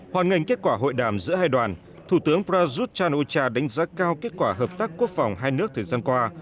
hoàn ngành kết quả hội đàm giữa hai đoàn thủ tướng prajut chan o cha đánh giá cao kết quả hợp tác quốc phòng hai nước thời gian qua